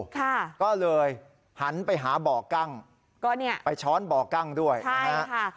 ค่ะก็เลยหันไปหาบ่อกั้งก็เนี่ยไปช้อนบ่อกั้งด้วยนะฮะค่ะ